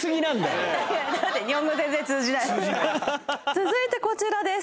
続いてこちらです